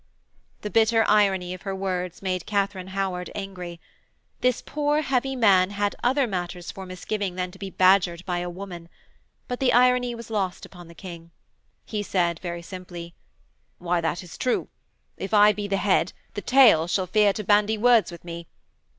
The bitter irony of her words made Katharine Howard angry. This poor, heavy man had other matters for misgiving than to be badgered by a woman. But the irony was lost upon the King. He said very simply: 'Why, that is true. If I be the Head, the Tail shall fear to bandy words with me.'